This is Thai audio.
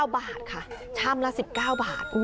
๙บาทค่ะชามละ๑๙บาท